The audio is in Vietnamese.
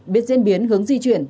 biết diễn biến hướng di chuyển